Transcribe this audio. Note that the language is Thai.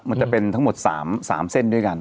มันจะเป็นทั้งหมด๓เส้นด้วยกัน